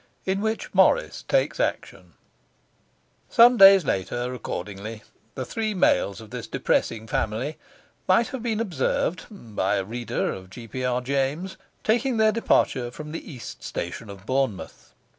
In Which Morris takes Action Some days later, accordingly, the three males of this depressing family might have been observed (by a reader of G. P. R. James) taking their departure from the East Station of Bournemouth.